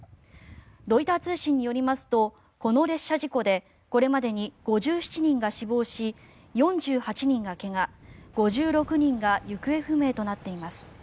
ロイター通信によりますとこの列車事故でこれまでに５７人が死亡し４８人が怪我５６人が行方不明となっています。